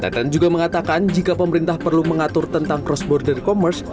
teten juga mengatakan jika pemerintah perlu mengatur tentang cross border commerce